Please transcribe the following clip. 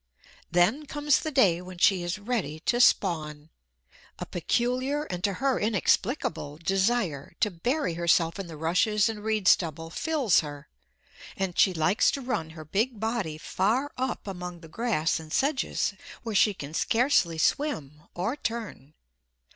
Then comes the day when she is ready to spawn. A peculiar, and to her inexplicable, desire to bury herself in the rushes and reed stubble fills her, and she likes to run her big body far up among the grass and sedges, where she can scarcely swim or turn.